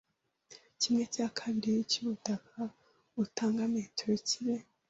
kimwe cya kabiri cyubutaka utanga metero kibe